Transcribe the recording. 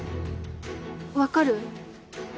分かる？